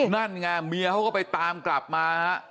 นั่นไงเมียเขาก็ไปตามกลับมาฮะ